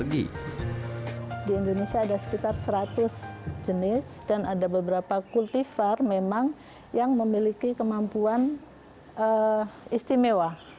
di indonesia ada sekitar seratus jenis dan ada beberapa kultifar memang yang memiliki kemampuan istimewa